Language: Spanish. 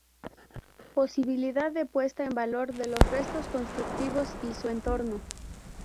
Posibilidad de puesta en valor de los restos constructivos y su entorno.